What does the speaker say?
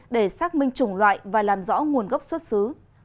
để xác minh chủng loại và làm rõ nguồn gốc xuất xứ